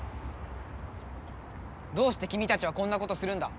どうして君たちはこんなことするんだ！